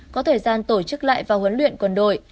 có thời gian tổ chức lại và huấn luyện quân đội